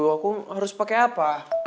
aku harus pakai apa